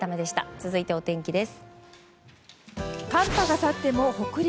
続いてお天気です。